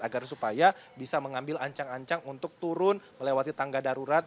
agar supaya bisa mengambil ancang ancang untuk turun melewati tangga darurat